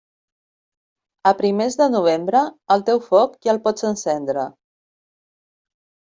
A primers de Novembre, el teu foc ja el pots encendre.